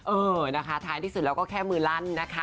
เออนะคะท้ายที่สุดแล้วก็แค่มือลั่นนะคะ